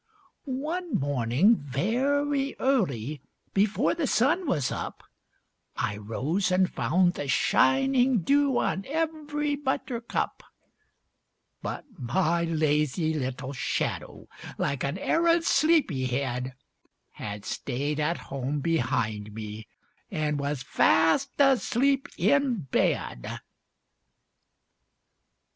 MY SHADOW [Pg 21] One morning, very early, before the sun was up, I rose and found the shining dew on every buttercup; But my lazy little shadow, like an arrant sleepy head, Had stayed at home behind me and was fast asleep in bed.